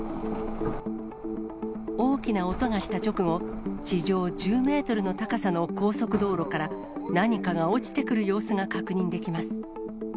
大きな音がした直後、地上１０メートルの高さの高速道路から、何かが落ちてくる様子が確認できます。